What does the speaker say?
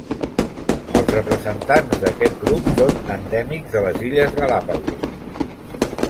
Els representants d'aquest grup són endèmics de les illes Galápagos.